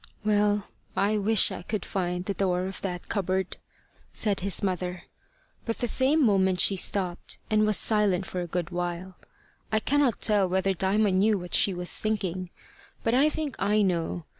"Well, I wish I could find the door of that cupboard," said his mother. But the same moment she stopped, and was silent for a good while. I cannot tell whether Diamond knew what she was thinking, but I think I know.